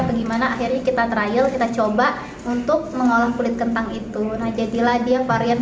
bagaimana akhirnya kita trial kita coba untuk mengolah kulit kentang itu nah jadilah dia varian